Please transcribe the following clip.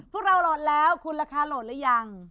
พวกเราโหลดแล้วคุณราคาโหลดหรือยัง